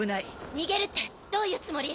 逃げるってどういうつもり？